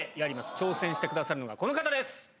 挑戦してくださるのが、この方です。